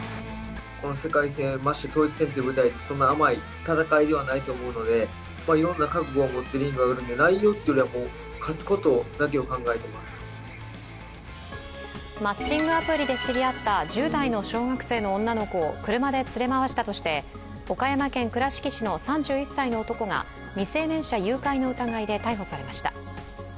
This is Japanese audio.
マッチングアプリで知り合った１０代の小学生の女の子を車で連れ回したとして岡山県倉敷市の３１歳の男が未成年者誘拐の疑いで逮捕されました。